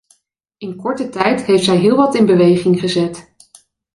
In korte tijd heeft zij heel wat in beweging gezet.